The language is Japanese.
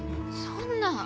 そんな。